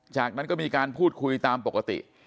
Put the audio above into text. จากนั้นก็มีการพูดคุยตามปกติ